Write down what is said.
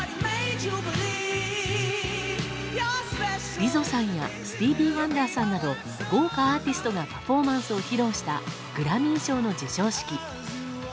リゾさんやスティービー・ワンダーさんなど豪華アーティストがパフォーマンスを披露したグラミー賞の授賞式。